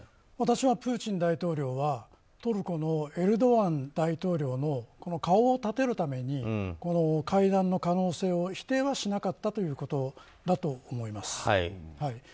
私はプーチン大統領はトルコのエルドアン大統領の顔を立てるために会談の可能性を否定はしなかったということだと思います。